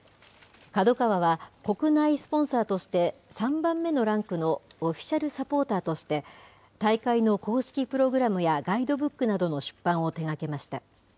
ＫＡＤＯＫＡＷＡは、国内スポンサーとして３番目のランクのオフィシャルサポーターとして、大会の公式プログラムやガイドブックなどの出版を手がけました。